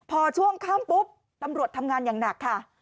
พอช่วงค่ำปุ๊บตำรวจทำงานอย่างหนักค่ะ